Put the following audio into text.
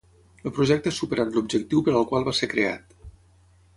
El projecte ha superat l'objectiu per al qual va ser creat.